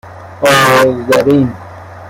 آذرین